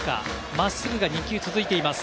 真っすぐが２球続いています。